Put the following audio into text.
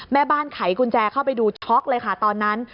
แม่บ้านไขกุญแจเข้าไปดูช็อกเลยค่ะตอนนั้น